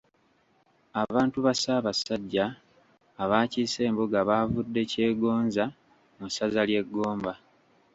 Abantu ba Ssaabasajja abaakiise embuga baavudde Kyegonza mu ssaza ly’e Gomba.